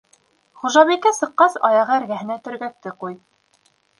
Хужабикә сыҡҡас, аяғы эргәһенә төргәкте ҡуй.